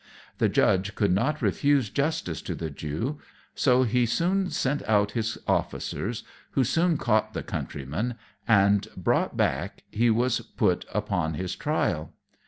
The judge could not refuse justice to the Jew; so he sent out his officers, who soon caught the Countryman, and, brought back, he was put upon his trial.